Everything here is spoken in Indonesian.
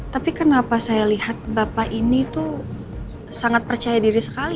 tapi kenapa saya lihat bapak ini tuh sangat percaya diri sekali